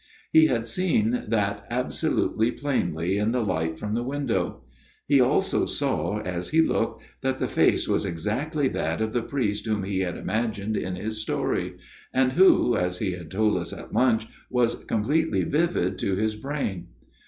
He had seen that absolutely plainly in the light from the window. He also saw, as he looked, that the face was exactly that of the priest whom he had imagined in his story, and who, as he had told us at lunch, was completely vivid to his brain.